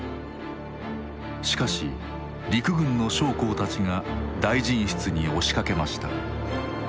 しかし陸軍の将校たちが大臣室に押しかけました。